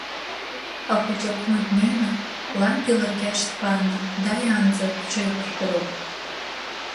Ахәыҷы лҟны днеины, лангьы ларгьы аашьҭԥааны дааиаанӡа шәҽеилашәҳәароуп.